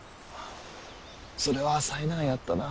それは災難やったなぁ。